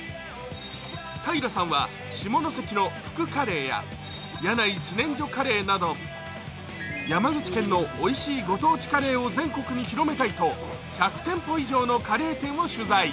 平さんは下関のふくカレーや柳井じねんじょカレーなど、山口県のおいしいご当地カレーを全国に広めたいと１００店舗以上のカレー店を取材。